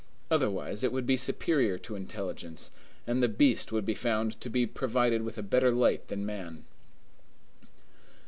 Otherwise, it would be superior to intelligence, and the beast would be found to be provided with a better light than man.